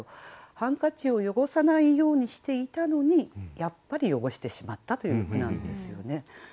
ハンカチを汚さないようにしていたのにやっぱり汚してしまったという句なんですよね。